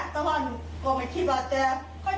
ก็จะทำยังไงก็ไม่ได้ว่าตั้งใจนั่นหรอก